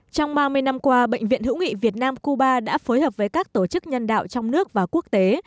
trong ba mươi năm qua bệnh viện hữu nghị việt nam cuba đã phối hợp với các tổ chức nhân đạo trong nước và quốc tế